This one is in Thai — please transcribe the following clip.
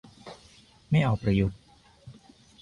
ไม่เอาประยุทธ์